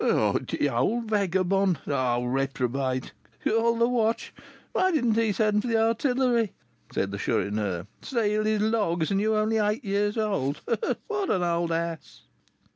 "Ah, the old vagabond! The old reprobate! Call the watch! Why didn't he send for the artillery?" said the Chourineur. "Steal his logs, and you only eight years old! What an old ass!"